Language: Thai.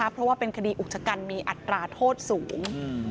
เพราะว่าเป็นคดีอุกชะกันมีอัตราโทษสูง